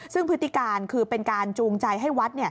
ซึ่งพฤติการคือเป็นการจูงใจให้วัด